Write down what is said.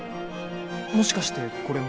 もしかしてこれも？